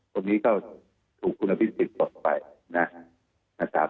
ตัวนี้ก็ถูกคุณภิกษ์ติดต่อไปนะนะครับ